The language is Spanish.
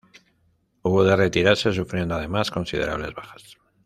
Hubo de retirarse, sufriendo además considerables bajas.